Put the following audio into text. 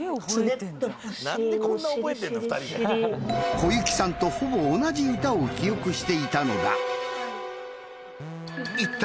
小雪さんとほぼ同じ歌を記憶していたのだ。